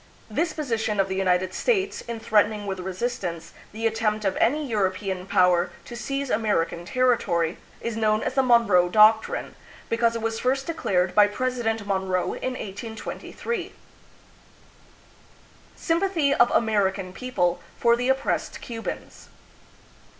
This position of the United States in threaten ing with resistance the attempt of any European power to seize American territory is known as the Monroe Doc trine, because it was first declared by President Monroe in 1823. Sympathy of American People for the Oppressed Cubans.